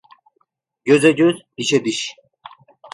Göze göz, dişe diş.